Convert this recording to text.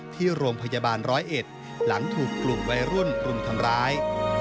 ที่โรงพยาบาลร้อยเอ็ดหลังถูกกลุ่มวัยรุ่นรุมทำร้าย